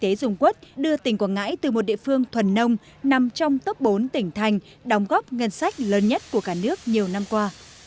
kinh tế dung quất đưa tỉnh quảng ngãi từ một địa phương thuần nông nằm trong top bốn tỉnh thành đồng góp ngân sách lớn nhất của cả nước nhiều năm qua